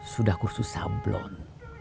sudah kursus sablon